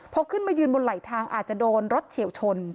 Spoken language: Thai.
พอขึ้นมายืนบนไหลทางอาจจะโดนรถเฉียวชน